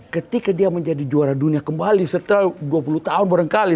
ketika dia menjadi juara dunia kembali setelah dua puluh tahun barangkali